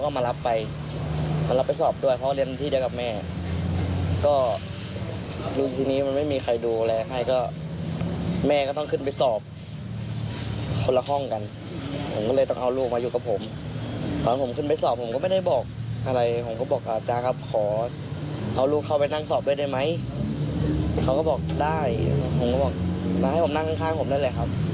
เขาบอกมาให้ผมนั่งข้างผมนั่นแหละครับ